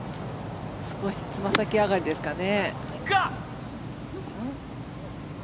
少しつま先上がりですかね。